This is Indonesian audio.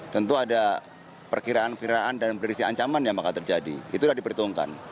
tentu ada perkiraan perkiraan dan berisi ancaman yang akan terjadi itu sudah diperhitungkan